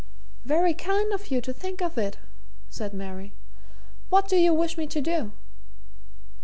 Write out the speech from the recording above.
"Very kind of you to think of it," said Mary. "What do you wish me to do?"